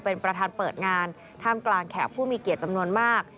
เป็นประธานเปิดงานท่ามกลางแขกผู้มีเกียรติจำนวนมาก